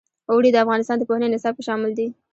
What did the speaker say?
اوړي د افغانستان د پوهنې نصاب کې شامل دي.